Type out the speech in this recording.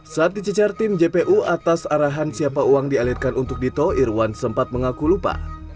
saat dicecar tim jpu atas arahan siapa uang dialirkan untuk dito irwan sempat mengaku lupa